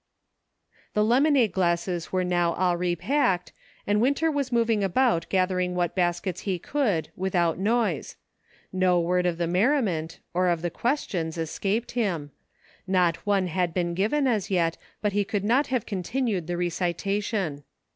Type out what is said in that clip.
" The lemonade glasses were now all repacked, and Winter was moving about gathering what 2l6 SEEKING STEPPING STONES. baskets he could, without noise ; no word of the merriment, or of the quotations, escaped him ; not one had been given as yet, but he could have con tinued the recitation.